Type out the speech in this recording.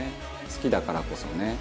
好きだからこそね」